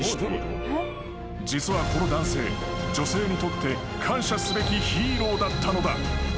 ［実はこの男性女性にとって感謝すべきヒーローだったのだ。